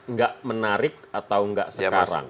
nggak menarik atau enggak sekarang